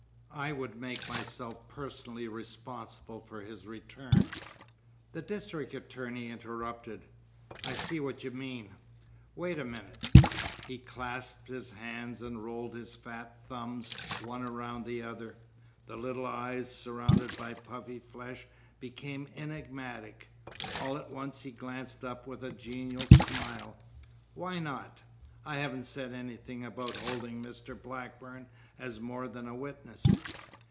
I would make myself personally responsible for his return " The district attorney interrupted. "I see what you mean. Wait a minute." He clasped his hands and rolled his fat thumbs one around the other. The little eyes, surrounded by puffy flesh, became enigmatic. All at once he glanced up with a genial smile. "Why not? I haven't said anything about holding Mr. Blackburn as more than a witness."